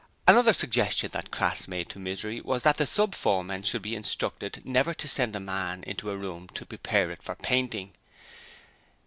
Another suggestion that Crass made to Misery was that the sub foremen should be instructed never to send a man into a room to prepare it for painting.